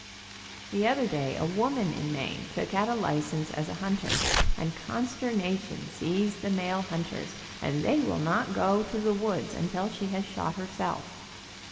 The other day a woman in Maine took out a license as a hunter, and consternation seized the male hunters, and they will not go to the woods until she has shot herself.